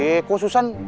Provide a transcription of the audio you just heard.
eh kok susan